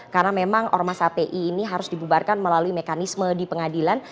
karena memang ormas hti ini harus dibubarkan melalui mekanisme di pengadilan